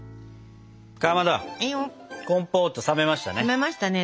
かまどコンポート冷めましたね。